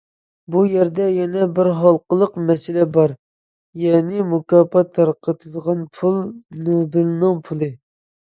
بۇ يەردە يەنە بىر ھالقىلىق مەسىلە بار، يەنى مۇكاپات تارقىتىلىدىغان پۇل نوبېلنىڭ پۇلى.